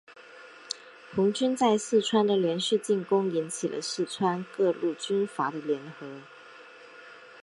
红军在四川的连续进攻引起了四川各路军阀的联合。